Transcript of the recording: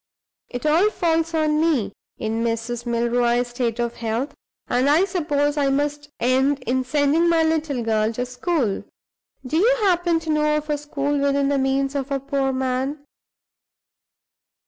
It all falls on me, in Mrs. Milroy's state of health, and I suppose I must end in sending my little girl to school. Do you happen to know of a school within the means of a poor man?